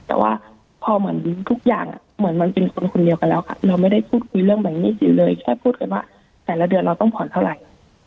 แต่ว่าพอเหมือนทุกอย่างเหมือนมันเป็นคนคนเดียวกันแล้วค่ะเราไม่ได้พูดคุยเรื่องแบ่งหนี้สินเลยแค่พูดกันว่าแต่ละเดือนเราต้องผ่อนเท่าไหร่